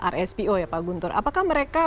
rspo ya pak guntur apakah mereka